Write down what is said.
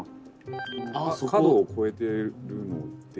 「角を越えているのって」